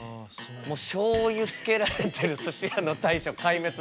しょうゆつけられてるすし屋の大将壊滅です。